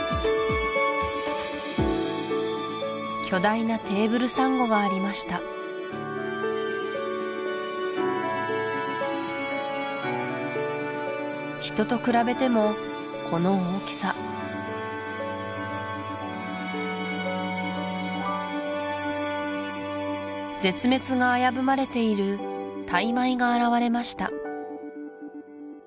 巨大なテーブルサンゴがありました人と比べてもこの大きさ絶滅が危ぶまれているタイマイが現れました